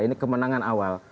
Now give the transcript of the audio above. ini kemenangan awal